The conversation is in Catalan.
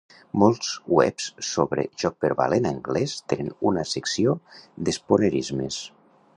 Molts webs sobre joc verbal en anglès tenen una secció d'spoonerismes.